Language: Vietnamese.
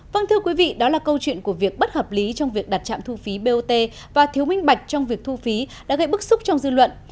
vâng thưa quý vị đó là câu chuyện của việc bất hợp lý trong việc đặt trạm thu phí bot và thiếu minh bạch trong việc thu phí đã gây bức xúc trong dư luận